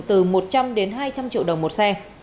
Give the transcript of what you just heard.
từ một trăm linh đến hai trăm linh triệu đồng một xe